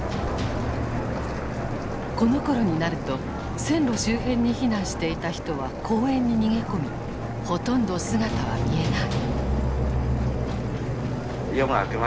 このころになると線路周辺に避難していた人は公園に逃げ込みほとんど姿は見えない。